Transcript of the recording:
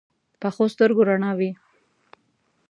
پخو سترګو رڼا وي